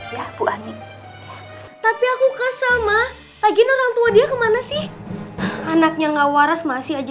ya bu ani tapi aku kesel mah lagi orang tua dia kemana sih anaknya nggak waras masih aja